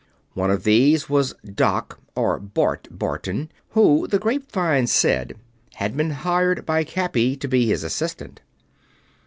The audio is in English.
One of these was "Doc" or "Bart" Barton, who, the grapevine said, had been hired by Cappy to be his Assistant.